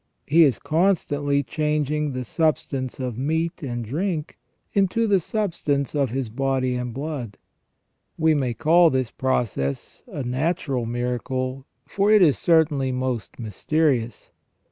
He is constantly changing the substance of meat and drink into the substance of His body and blood. We may call this process a natural miracle, for it is certainly most mysterious.